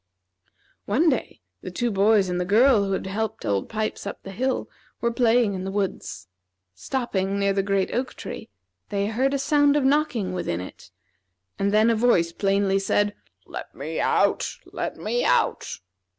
One day the two boys and the girl who had helped Old Pipes up the hill were playing in the woods. Stopping near the great oak tree, they heard a sound of knocking within it, and then a voice plainly said: "Let me out! let me out!"